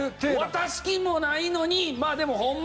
渡す気もないのにでもホンマ